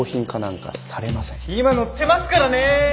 今乗ってますからね。